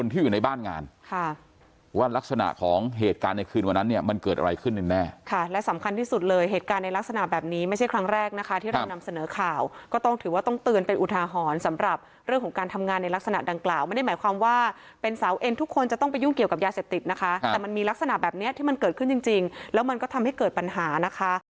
ที่เรานำเสนอข่าวก็ต้องถือว่าต้องเตือนเป็นอุทหาหอนสำหรับเรื่องของการทำงานในลักษณะดังกล่าวมันได้หมายความว่าเป็นสาวเอ็นทุกคนจะต้องไปยุ่งเกี่ยวกับยาเสพติดนะคะแต่มันมีลักษณะแบบเนี้ยที่มันเกิดขึ้นจริงจริงแล้วมันก็ทำให้เกิดปัญหานะคะ